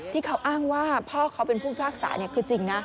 ที่เขาอ้างว่าพ่อเขาเป็นผู้พิพากษาคือจริงนะ